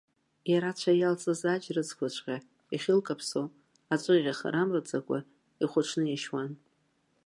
Иара ацәа иалҵыз аџьрыцқәаҵәҟьа, иахьылкаԥсо, аҵәыӷьаха рамраӡакәа, ихәаҽны иашьуан.